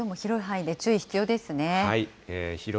きょうも広い範囲で注意が必要ですね。